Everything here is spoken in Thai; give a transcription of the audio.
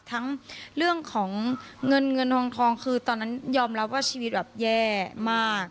ทั้งเรื่องของเงินเงินทองคือตอนนั้นยอมรับว่าชีวิตแบบแย่มาก